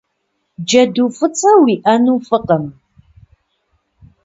Джэду фӏыцӏэ уиӏэну фӏыкъым.